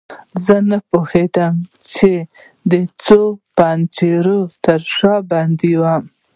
زه نه پوهیدم چې د څو پنجرو تر شا بندي یم.